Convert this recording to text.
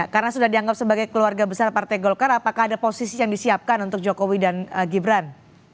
karena sudah dianggap sebagai keluarga besar partai golkar apakah ada posisi yang disiapkan untuk jokowi dan gibran